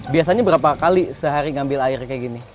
biasanya berapa kali sehari ngambil air kayak gini